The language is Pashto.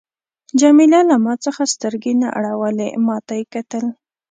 جميله له ما څخه سترګې نه اړولې، ما ته یې کتل.